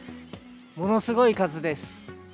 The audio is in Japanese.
ものすごい数です。